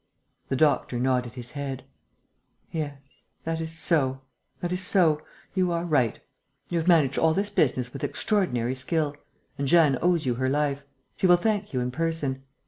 The doctor nodded his head: "Yes ... that is so ... that is so ... you are right. You have managed all this business with extraordinary skill; and Jeanne owes you her life. She will thank you in person....